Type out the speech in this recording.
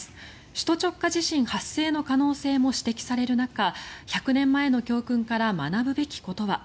首都直下地震発生の可能性も指摘される中１００年前の教訓から学ぶべきことは。